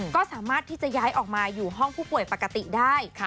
ก็สามารถที่จะย้ายออกมาอยู่ห้องผู้ป่วยปกติได้